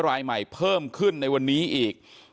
รายใหม่เพิ่มขึ้นในวันนี้อีก